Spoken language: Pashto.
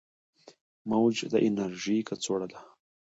موج د انرژي کڅوړه ده.